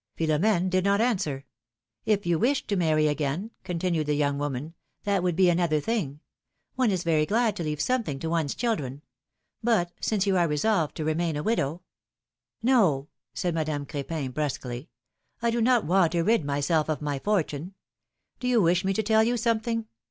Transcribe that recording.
Philomene did not answer. If you wished to marry again," continued the young woman, ^^that would be another thing; one is very glad to leave something to one's children ; but, since you are resolved to remain a widow —" '^No," said Madame Crepin, brusquely; ^^I do not want to rid myself of my fortune. Do you wish me to tell you something